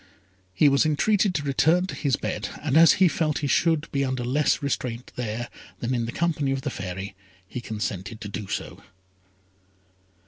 He was entreated to return to his bed, and as he felt he should be under less restraint there than in the company of the Fairy, he consented to do so.